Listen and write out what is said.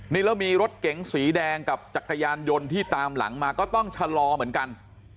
นี่แล้วมีรถเก๋งสีแดงกับจักรยานยนต์ที่ตามหลังมาก็ต้องชะลอเหมือนกัน